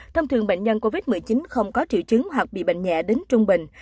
thông thường bệnh nhân covid một mươi chín không có triệu chứng hoặc bị bệnh nhẹ đến trung bình